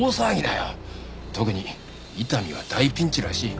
特に伊丹は大ピンチらしい。